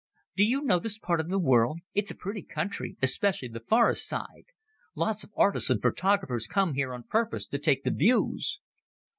"Do you know this part of the world? It's a pretty country especially the forest side. Lots of artists and photographers come here on purpose to take the views."